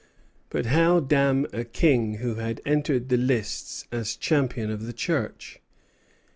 But how damn a king who had entered the lists as champion of the Church?